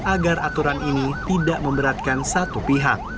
agar aturan ini tidak memberatkan satu pihak